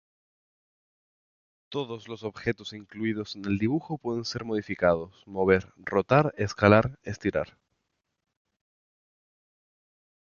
Todos los objetos incluidos en el dibujo puede ser modificados: mover, rotar, escalar, estirar.